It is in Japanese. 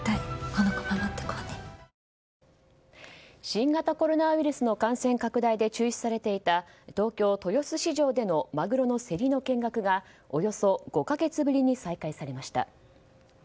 新型コロナウイルスの感染拡大で中止されていた東京・豊洲市場でのマグロの競りの見学がおよそ５か月ぶりに再開されました。